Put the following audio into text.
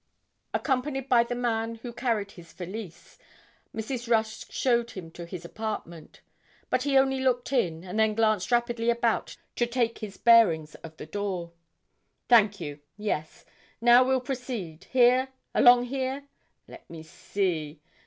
Accompanied by the man who carried his valise, Mrs. Rusk showed him to his apartment; but he only looked in, and then glanced rapidly about to take 'the bearings' of the door. 'Thank you yes. Now we'll proceed, here, along here? Let me see.